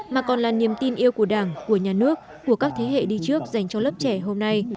mà còn là niềm tin yêu của đảng của nhà nước của các thế hệ đi trước dành cho lớp trẻ hôm nay